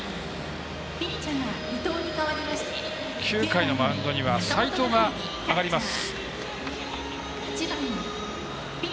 ９回のマウンドには齋藤が上がります。